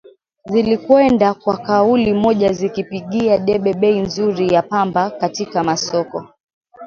zilikwenda kwa kauli moja zikipigia debe bei nzuri ya pamba katika masoko